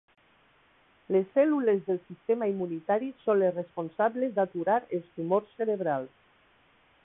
Les cèl·lules del sistema immunitari són les responsables d'aturar els tumors cerebrals